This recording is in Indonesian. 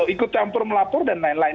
ikut campur melapor dan lain lain